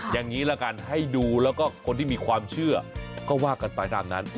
อย่างนี้ละกันให้ดูแล้วก็คนที่มีความเชื่อก็ว่ากันไปตามนั้น